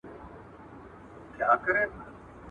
تاسو باید د علم په ترلاسه کولو کې هېڅکله ستړي نه شئ.